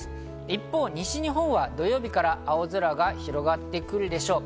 一方、西日本は土曜日から青空が広がってくるでしょう。